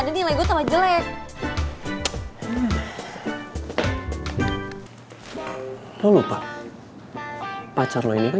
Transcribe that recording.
jadi gue ikutan juga